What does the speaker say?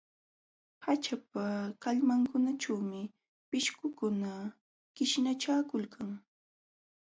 Haćhapa kallmankunaćhuumi pishqukuna qishnachakulkan.